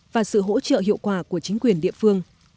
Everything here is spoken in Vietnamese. và sự hỗ trợ hiệu quả của chính quyền địa phương